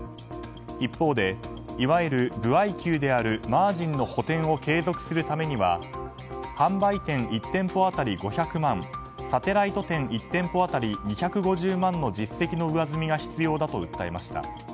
一方で、いわゆる歩合給であるマージンの補填を継続するためには販売店１店舗当たり５００万サテライト店１店舗当たり２５０万の実績の上積みが必要だと訴えました。